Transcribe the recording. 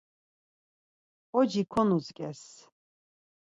Xoci konutzǩes.